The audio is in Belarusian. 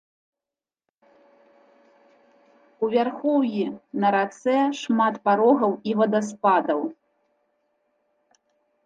У вярхоўі на рацэ шмат парогаў і вадаспадаў.